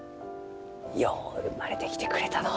よう生まれてきてくれたのう。